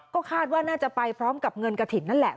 ก็คาดว่าน่าจะไปพร้อมกับเงินกระถิ่นนั่นแหละ